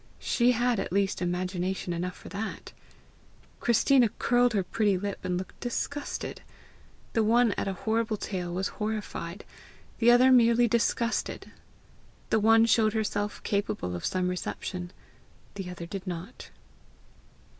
She had at least imagination enough for that! Christina curled her pretty lip, and looked disgusted. The one at a horrible tale was horrified, the other merely disgusted! The one showed herself capable of some reception; the other did not.